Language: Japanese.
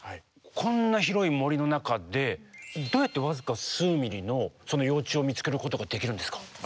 こんな広い森の中でどうやって僅か数ミリのその幼虫を見つけることができるんですか？